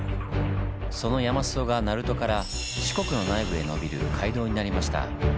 その山裾が鳴門から四国の内部へのびる街道になりました。